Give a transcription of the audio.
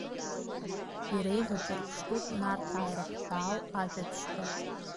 Иреиӷьу ҿырԥштәуп Нарҭаа ирыхҳәаау ажәабжьқәа.